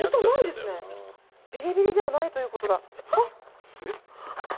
「ビリビリではないという事だ。あっ！」